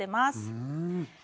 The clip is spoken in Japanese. うん。